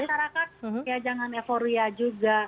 masyarakat ya jangan euforia juga